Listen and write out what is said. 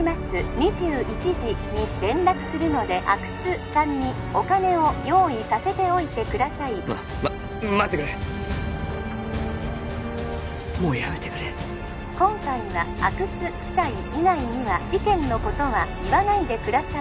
☎２１時に連絡するので☎阿久津さんにお金を用意させておいてくださいまっまっ待ってくれもうやめてくれ☎今回は阿久津夫妻以外には☎事件のことは言わないでください